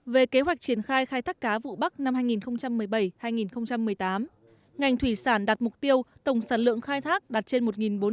về kế hoạch triển khai khai thác cá vụ bắc năm hai nghìn một mươi bảy hai nghìn một mươi tám ngành thủy sản đạt mục tiêu tổng sản lượng khai thác đạt trên một bốn trăm linh